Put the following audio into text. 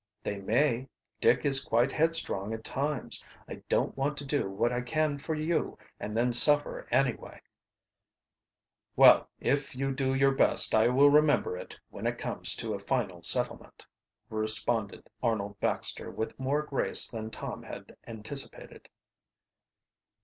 "They may. Dick is quite headstrong at times. I don't want to do what I can for you and then suffer anyway." "Well, if you do your best I will remember it when it comes to a final settlement," responded Arnold Baxter, with more grace than Tom had anticipated.